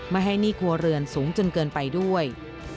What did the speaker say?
ไม่ให้หนี้ครัวเรือนสูงจนเกินไปด้วย